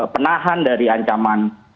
penahan dari ancaman